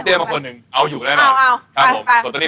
เอาอยู่ได้ไหม